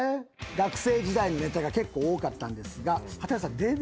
学生時代のネタが結構多かったんですが。